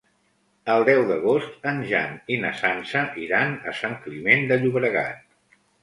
El deu d'agost en Jan i na Sança iran a Sant Climent de Llobregat.